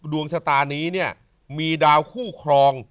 ดวงชะตานี้เนี่ยมีดาวคู่ครอง